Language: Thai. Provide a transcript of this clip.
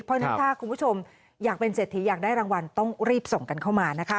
เพราะฉะนั้นถ้าคุณผู้ชมอยากเป็นเศรษฐีอยากได้รางวัลต้องรีบส่งกันเข้ามานะคะ